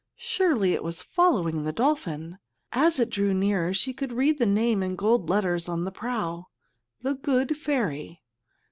Surely it was following the dolphin. As it drew nearer she could read the name in gold letters on the prow, The Good Ferry.